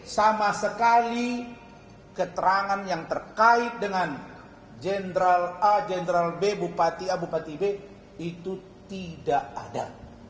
sama sekali keterangan yang terkait dengan jenderal a jenderal b bupati a bupati b itu tidak ada